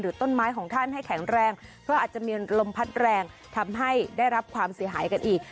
ต้นไม้ของท่านให้แข็งแรงเพราะอาจจะมีลมพัดแรงทำให้ได้รับความเสียหายกันอีก